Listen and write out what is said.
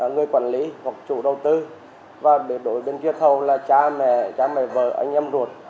người quản lý hoặc chủ đầu tư và đổi bên kia thầu là cha mẹ cha mẹ vợ anh em ruột